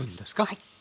はい。